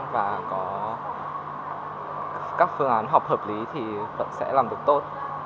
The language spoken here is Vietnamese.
và có các phương án học hợp lý thì vẫn sẽ làm được tốt